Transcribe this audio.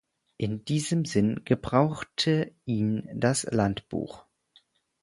In diesem Sinn gebrauchte ihn das Landbuch.